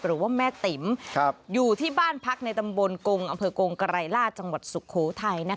หรือว่าแม่ติ๋มอยู่ที่บ้านพักในตำบลกงอำเภอกงไกรราชจังหวัดสุโขทัย